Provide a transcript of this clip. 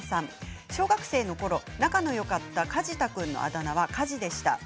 小学生のころ仲のよかったかじた君のあだ名は、火事でした。